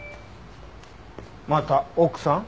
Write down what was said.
また奥さん？